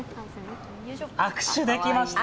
握手できました。